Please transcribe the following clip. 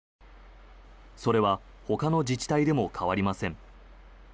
それはほかの自治体でも変わりません。